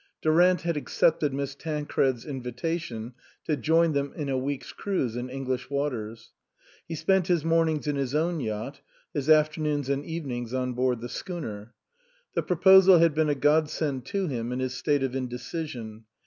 Durant had accepted Miss Tancred's invitation to join them in a week's cruise in English waters. He spent his mornings in his own yacht, his afternoons and evenings on board the schooner. The proposal had been a godsend to him in his state of indecision.